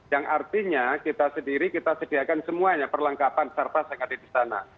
yang artinya kita sendiri kita sediakan semuanya perlengkapan serta sekadar di sana